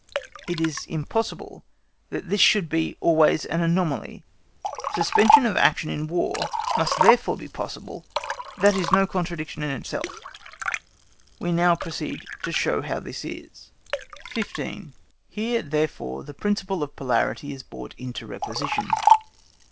It is impossible that this should be always an anomaly; suspension of action in War must therefore be possible, that is no contradiction in itself. We now proceed to show how this is. 15. HERE, THEREFORE, THE PRINCIPLE OF POLARITY IS BROUGHT INTO REQUISITION.